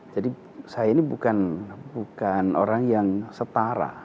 jadi saya ini bukan orang yang setara